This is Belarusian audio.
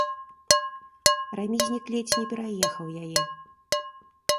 Рамізнік ледзь не пераехаў яе.